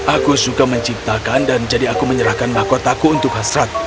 aku suka menciptakan dan jadi aku menyerahkan makotaku untuk raja arnold